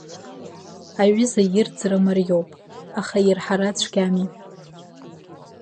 Аҩыза ирӡра мариоуп, аха ирҳара цәгьами.